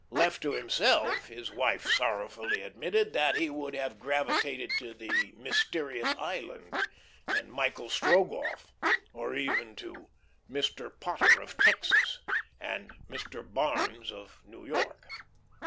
Left to himself, his wife sorrowfully admitted that he would have gravitated to the "Mysterious Island" and "Michael Strogoff," or even to "Mr. Potter of Texas" and "Mr. Barnes of New York."